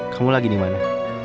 kamu lagi dimana